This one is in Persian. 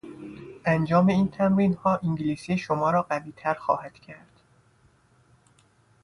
انجام این تمرینها انگلیسی شما را قویتر خواهد کرد.